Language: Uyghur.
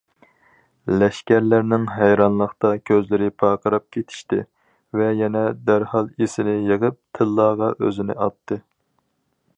لەشكەرلەرنىڭ ھەيرانلىقتا كۆزلىرى پارقىراپ كېتىشتى ۋە يەنە دەرھال ئېسىنى يىغىپ تىللاغا ئۆزىنى ئاتتى.